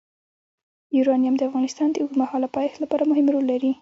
یورانیم د افغانستان د اوږدمهاله پایښت لپاره مهم رول لري.